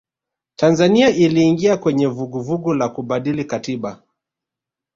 tanzania iliingia kwenye vuguvugu la kubadili katiba